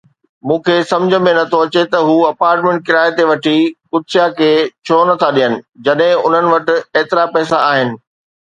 مون کي سمجهه ۾ نه ٿو اچي ته هو اپارٽمنٽ ڪرائي تي وٺي قدسيه کي ڇو نٿا ڏين جڏهن انهن وٽ ايترا پئسا آهن.